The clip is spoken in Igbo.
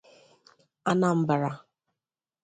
Anambra